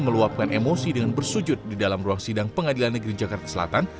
meluapkan emosi dengan bersujud di dalam ruang sidang pengadilan negeri jakarta selatan